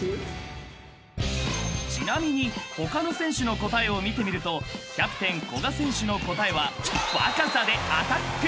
［ちなみに他の選手の答えを見てみるとキャプテン古賀選手の答えは］